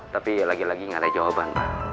tapi lagi lagi gak ada jawaban